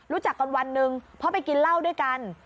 รู้จักกันวันหนึ่งเพราะไปกินเหล้าด้วยกัน